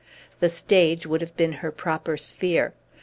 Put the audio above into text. The stage would have been her proper sphere.